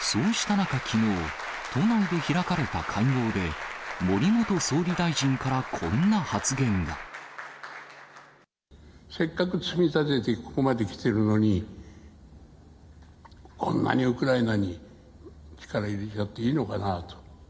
そうした中、きのう、都内で開かれた会合で、せっかく積み立ててここまできてるのに、こんなにウクライナに力入れちゃっていいのかなと。